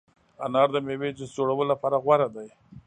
انار د مېوې جوس جوړولو لپاره غوره دی.